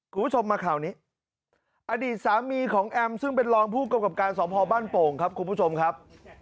คุณผู้ชมมาข่าวนี้อดีตสามีของแอมซึ่งเป็นรองผู้กำกับการสอบพอบ้านโป่งครับคุณผู้ชมครับ